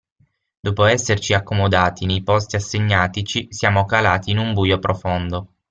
Dopo esserci accomodati nei posti assegnatici siamo calati in un buio profondo.